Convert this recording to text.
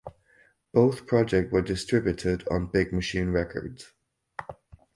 Both projects were distributed on Big Machine Records.